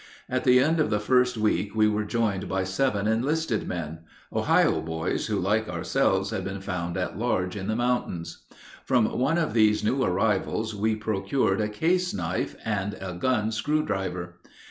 At the end of the first week we were joined by seven enlisted men, Ohio boys, who like ourselves had been found at large in the mountains. From one of these new arrivals we procured a case knife and a gun screw driver.